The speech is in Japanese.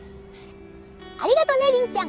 ありがとね凛ちゃん。